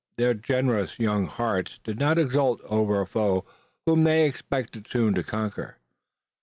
Their generous young hearts did not exult over a foe whom they expected soon to conquer.